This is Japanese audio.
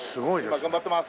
今頑張ってます。